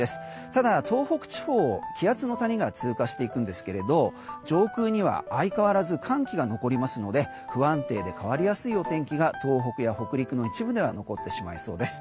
ただ、東北地方気圧の谷が通過していくんですが上空には相変わらず寒気が残りますので不安定で変わりやすいお天気が東北や北陸の一部では残ってしまいそうです。